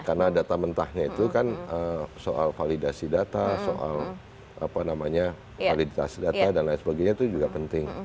karena data mentahnya itu kan soal validasi data soal validitas data dan lain sebagainya itu juga penting